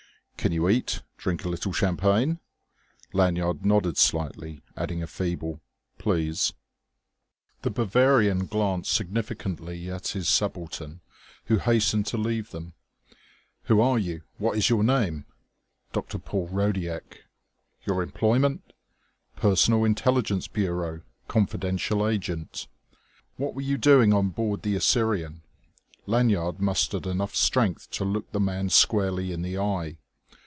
"Can you eat, drink a little champagne?" Lanyard nodded slightly, adding a feeble "Please." The Bavarian glanced significantly at his subaltern, who hastened to leave them. "Who are you? What is your name?" "Dr. Paul Rodiek." "Your employment?" "Personal Intelligence Bureau confidential agent." "What were you doing on board the Assyrian?" Lanyard mustered enough strength to look the man squarely in the eye.